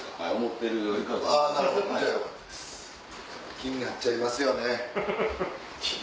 気になっちゃいます？